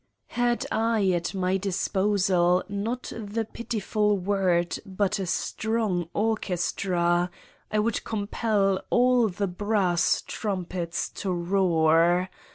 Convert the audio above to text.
HAD I at my disposal, not the pitiful word but a strong orchestra, I would compel all the brass trumpets to roar.